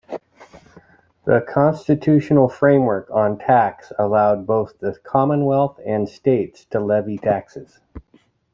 The constitutional framework on tax allowed both the Commonwealth and States to levy taxes.